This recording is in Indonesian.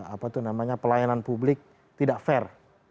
apa itu namanya pelayanan publik tidak fair